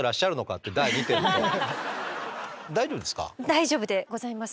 大丈夫でございます。